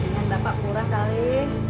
dengan bapak kurang kali